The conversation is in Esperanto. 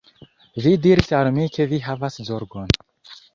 Vi diris al mi ke vi havas zorgon